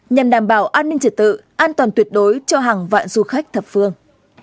nhằm đảm bảo an ninh trật tự an toàn tuyệt đối cho hàng vạn du khách thập phương